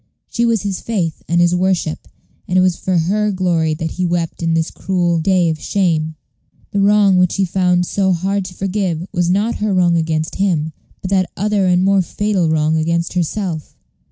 She was his faith and his worship, and it was for her glory that he wept in this cruel day of shame. The wrong which he found so hard to forgive was not her wrong against him, but that other and more fatal wrong against herself.